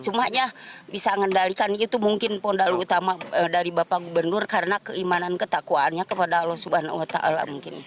cuma ya bisa mengendalikan itu mungkin pondal utama dari bapak gubernur karena keimanan ketakwaannya kepada allah swt mungkin